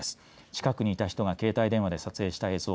近くにいた人が携帯電話で撮影した映像。